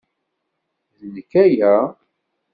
D nekk aya.